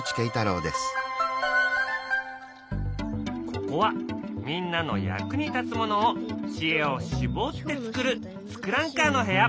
ここはみんなの役に立つものを知恵を絞って作る「ツクランカー」の部屋。